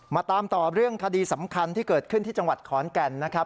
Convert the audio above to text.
มาตามต่อเรื่องคดีสำคัญที่เกิดขึ้นที่จังหวัดขอนแก่นนะครับ